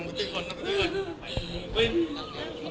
เมื่อเวลาเมื่อเวลา